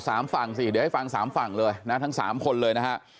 สามฝั่งสิเดี๋ยวให้ฟังสามฝั่งเลยนะทั้งสามคนเลยนะฮะ